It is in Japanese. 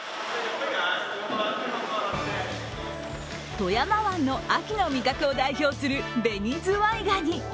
富山湾の秋の味覚を代表する紅ズワイガニ。